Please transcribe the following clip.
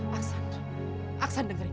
aksan aksan dengerin